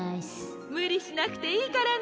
むりしなくていいからね。